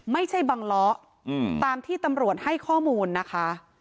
ไม่ใช่บังล้อตามที่ตำรวจให้ข้อมูลนะคะ